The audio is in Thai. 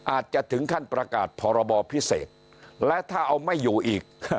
อาจจะถึงขั้นประกาศพรบพิเศษและถ้าเอาไม่อยู่อีก